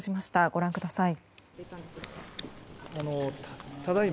ご覧ください。